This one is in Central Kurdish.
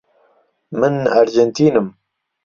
من ئەرجێنتینم.